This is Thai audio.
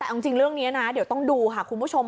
แต่เอาจริงเรื่องนี้นะเดี๋ยวต้องดูค่ะคุณผู้ชม